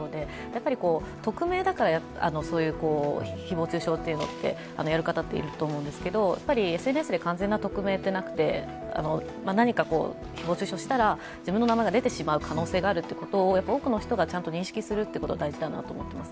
やっぱり匿名だからそういう誹謗中傷っていうのってやる方はいると思うんですけれどもＳＮＳで完全な匿名となって、何か誹謗中傷したら自分の名前が出てしまう可能性があるっていうことを、多くの人がちゃんと認識するというのが、大事だなと思っています。